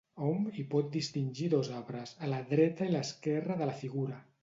Hom hi pot distingir dos arbres, a la dreta i l'esquerra de la figura.